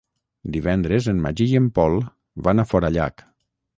Divendres en Magí i en Pol van a Forallac.